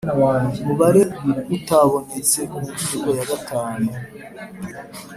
mubare utabonetse kunshuro ya gatanu